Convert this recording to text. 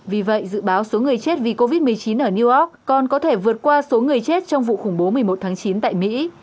vì vậy dự báo số người chết vì covid một mươi chín ở new york còn có thể vượt qua số người chết trong vụ khủng bố một mươi một tháng chín tại mỹ